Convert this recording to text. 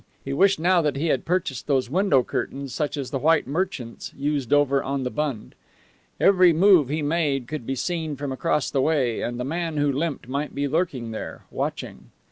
He wished now that he had purchased those window curtains such as the white merchants used over on the Bund. Every move he made could be seen from across the way, and the man who limped might be lurking there, watching.